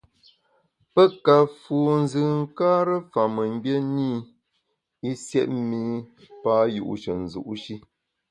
Pe ka fu nzùnkare fa mengbié ne i, i siét mi pa yu’she nzu’ shi.